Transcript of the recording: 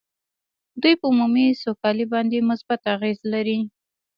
دوی په عمومي سوکالۍ باندې مثبت اغېز لري